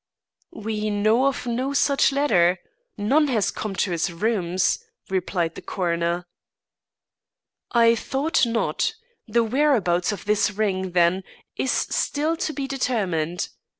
"We know of no such letter. None has come to his rooms," replied the coroner. "I thought not. The whereabouts of this ring, then, is still to be determined.